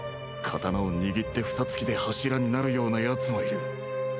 刀を握ってふたつきで柱になるようなやつもいる。